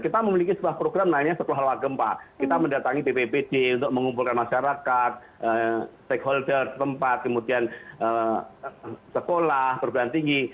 kita memiliki sebuah program namanya sekolah lawa gempa kita mendatangi bppd untuk mengumpulkan masyarakat stakeholder tempat kemudian sekolah perguruan tinggi